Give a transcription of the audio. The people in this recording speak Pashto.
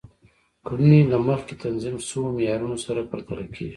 کړنې له مخکې تنظیم شوو معیارونو سره پرتله کیږي.